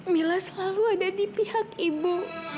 mila selalu ada di pihak ibu